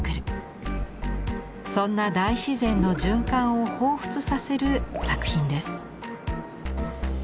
そんな大自然の循環をほうふつさせる作品です。